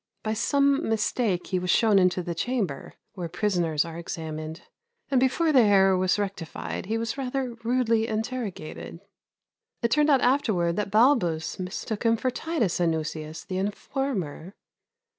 By some mistake he was shown into the Chamber, where prisoners are examined, and before the error was rectified he was rather rudely interrogated. It turned out afterwards that Balbus mistook him for Titus Anuseius, the informer.